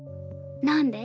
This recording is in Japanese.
なんで？